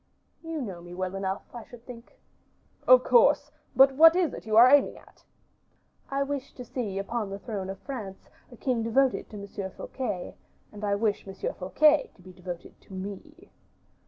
"You know me well enough, I should think." "Of course; but what is it you are aiming at?" "I wish to see upon the throne of France a king devoted to Monsieur Fouquet, and I wish Monsieur Fouquet to be devoted to me."